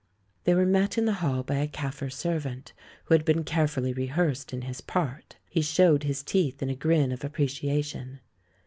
They were met in the hall by a Kaffir servant, who had been carefully rehearsed in his part. He showed his teeth in a grin of appreciation.